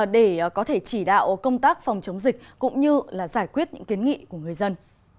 để có thể chỉ đạo công tác phòng chống dịch cũng như giải quyết những kiến nghị của người dân